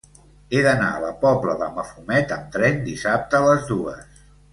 He d'anar a la Pobla de Mafumet amb tren dissabte a les dues.